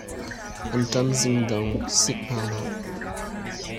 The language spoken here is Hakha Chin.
Anṭam zimdong sik hna hlah.